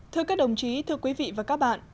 thưa các đồng chí thưa quý vị và các bạn